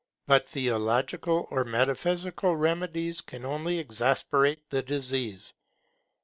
But theological or metaphysical remedies can only exasperate the disease.